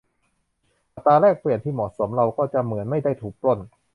อัตราแลกเปลี่ยนที่เหมาะสมเราก็จะเหมือนไม่ได้ถูกปล้น